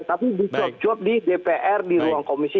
tapi di cua cua di dpr di ruang komisi